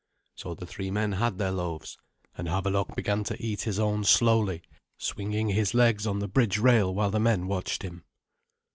So the three men had their loaves, and Havelok began to eat his own slowly, swinging his legs on the bridge rail while the men watched him.